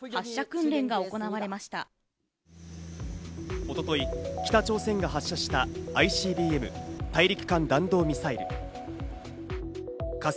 一昨日、北朝鮮が発射した、ＩＣＢＭ＝大陸間弾道ミサイル。